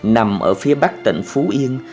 nằm ở phía bắc tỉnh phú yên